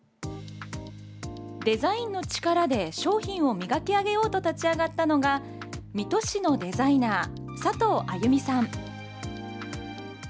デザインの力で商品を磨き上げようと立ち上がったのが水戸市のデザイナー佐藤歩美さん。